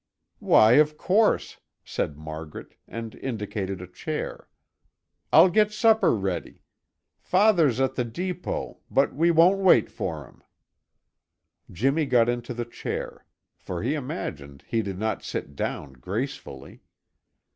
"Why of course!" said Margaret and indicated a chair. "I'll get supper ready. Father's at the depot, but we won't wait for him." Jimmy got into the chair; for he imagined he did not sit down gracefully.